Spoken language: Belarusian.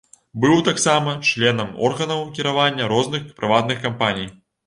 Быў таксама членам органаў кіравання розных прыватных кампаніі.